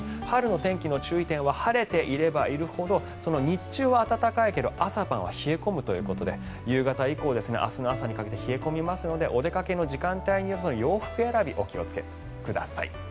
春の天気の注意点は晴れていればいるほど日中は暖かいけれど朝晩は冷え込むということで夕方以降、明日の朝にかけて冷え込みますのでお出かけの時間帯洋服選びにお気をつけください。